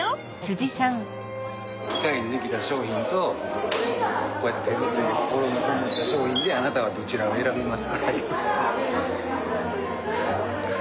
機械でできた商品とこうやって手作りで心のこもった商品であなたはどちらを選びますかいう。